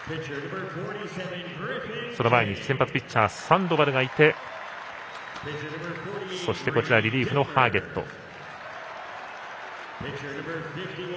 その前に先発ピッチャーのサンドバルがいてそして、リリーフのハーゲット。